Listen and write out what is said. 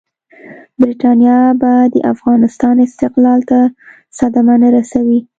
برټانیه به د افغانستان استقلال ته صدمه نه رسوي.